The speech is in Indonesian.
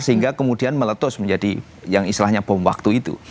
sehingga kemudian meletus menjadi yang istilahnya bom waktu itu